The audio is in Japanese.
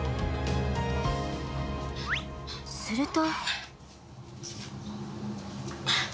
すると。